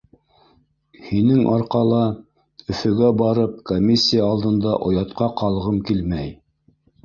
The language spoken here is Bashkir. Һинең арҡала, Өфөгә барып, комиссия алдында оятҡа ҡалғым килмәй.